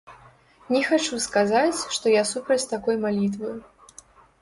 Не хачу сказаць, што я супраць такой малітвы.